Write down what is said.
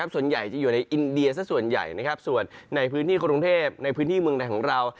ส่วนใหญ่จะอยู่ในอินเดียสักส่วนใหญ่ส่วนในพื้นที่กรุงเทพในพื้นที่เมืองในของเรา